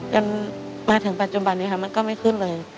จนถึงปัจจุบันนี้ค่ะมันก็ไม่ขึ้นเลย